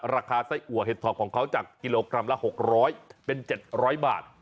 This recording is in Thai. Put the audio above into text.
ราคาไส้อัวเห็ดทองของเขาจากกิโลกรัมละ๖๐๐เป็น๗๐๐บาท